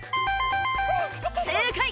正解！